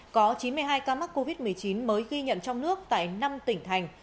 có chín mươi hai ca mắc covid một mươi chín mới ghi nhận trong nước tại năm tỉnh thành